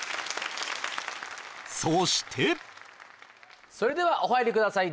そしてそれではお入りください